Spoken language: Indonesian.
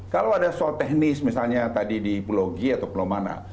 kalau ada soal teknis misalnya tadi di pulau g atau pulau mana